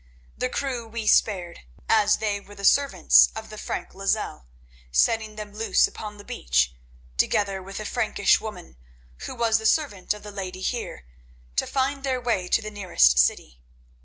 The crew we spared, as they were the servants of the Frank Lozelle, setting them loose upon the beach, together with a Frankish woman, who was the servant of the lady here, to find their way to the nearest city.